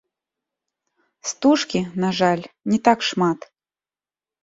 Стужкі, на жаль, не так шмат.